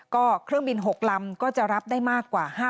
ก็เครื่องบิน๖ลำก็จะรับได้มากกว่า